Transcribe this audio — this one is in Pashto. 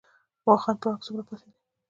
واخان پړانګ څومره پاتې دي؟